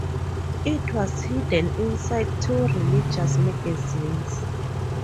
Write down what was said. It was hidden inside two religious magazines.